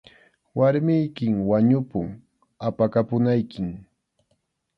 Warmiykim wañupun, apakapunaykim.